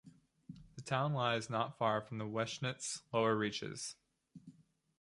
The town lies not far from the Weschnitz's lower reaches.